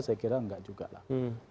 saya kira enggak juga lah